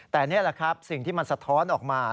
แต่นี่แหละครับสิ่งที่มันสะท้อนออกมา